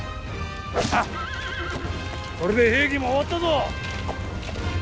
これで平家も終わったぞ！